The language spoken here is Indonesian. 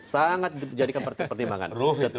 sangat dijadikan pertimbangan